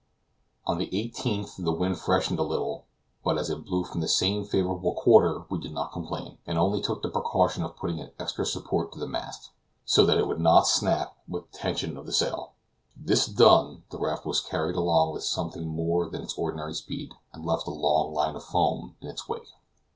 On the 18th the wind freshened a little, but as it blew from the same favorable quarter we did not complain, and only took the precaution of putting an extra support to the mast, so that it should not snap with the tension of the sail. This done, the raft was carried along with something more than its ordinary speed, and left a long line of foam in its wake.